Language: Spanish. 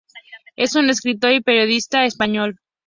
Es un escritor y periodista español.